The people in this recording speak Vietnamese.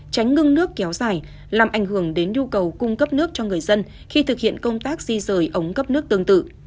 tránh ngưng nước kéo dài làm ảnh hưởng đến nhu cầu cung cấp nước cho người dân khi thực hiện công tác di rời ống cấp nước tương tự